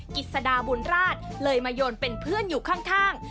กิจสดาบุญราชเลยมาโยนเป็นเพื่อนอยู่ข้าง